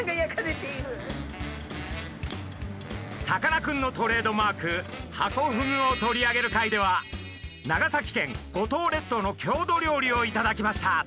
さかなクンのトレードマークハコフグを取り上げる回では長崎県五島列島の郷土料理を頂きました。